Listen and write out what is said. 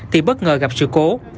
thì bất ngờ gặp sự cố